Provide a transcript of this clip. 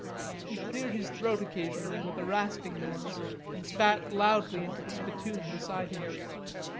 He cleared his throat occasionally with a rasping noise and spat loudly into the spittoon beside him.